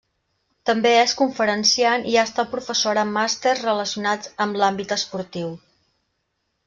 També és conferenciant i ha estat professora en màsters relacionats amb l'àmbit esportiu.